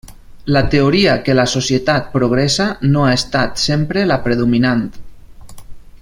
La teoria que la societat progressa no ha estat sempre la predominant.